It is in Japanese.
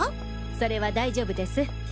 それは大丈夫です！